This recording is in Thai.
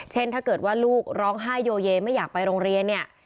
ถ้าเกิดว่าลูกร้องไห้โยเยไม่อยากไปโรงเรียนเนี่ย